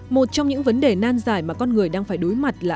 một trong những vấn đề nan giải mà con người đang phải đối mặt là